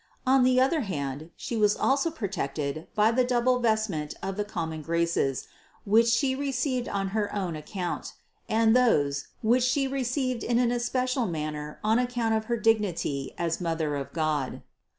On the other hand She was also protected by the double vestment of the common graces, which She received on her own account, and those, which She received in an especial manner on account of her dignity as Mother of God.